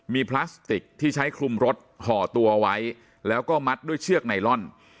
มีพลาสติกที่ใช้คลุมรถห่อตัวไว้แล้วก็มัดด้วยเชือกไนลอน